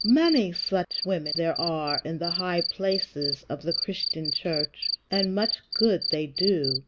Many such women there are in the high places of the Christian Church, and much good they do.